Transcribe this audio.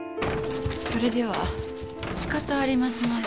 それではしかたありますまい。